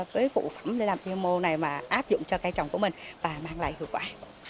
cái phụ phẩm để làm imo này mà áp dụng cho cây trồng của mình và mang lại hữu quả